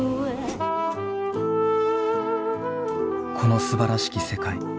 「この素晴らしき世界」。